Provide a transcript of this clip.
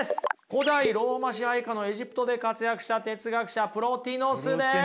古代ローマ支配下のエジプトで活躍した哲学者プロティノスです。